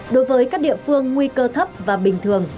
đối với các địa phương nguy cơ thấp và bình thường